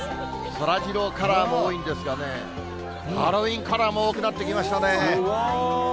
そらジローカラーも多いんですがね、ハロウィーンカラーも多くなってきましたね。